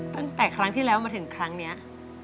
ตั้งแต่ครั้งที่แล้วมาถึงครั้งนี้